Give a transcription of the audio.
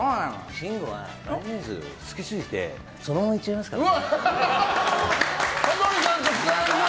慎吾はマヨネーズ好きすぎてそのままいっちゃいますからね。